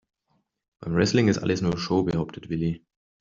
Beim Wrestling ist alles nur Show, behauptet Willi.